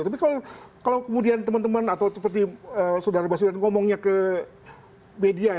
tapi kalau kemudian teman teman atau seperti saudara saudara yang ngomongnya ke media